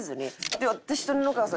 で私と布川さん